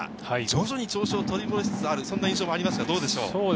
徐々に調子を取り戻しつつある印象もありますが、どうですか？